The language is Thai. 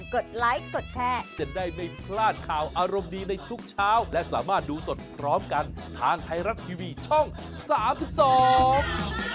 ดไลค์กดแชร์จะได้ไม่พลาดข่าวอารมณ์ดีในทุกเช้าและสามารถดูสดพร้อมกันทางไทยรัฐทีวีช่องสามสิบสอง